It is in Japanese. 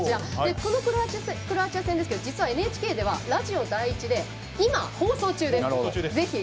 このクロアチア戦ですけど実はＮＨＫではラジオ第１で今放送中です。